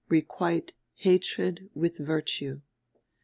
"Requite hatred with virtue."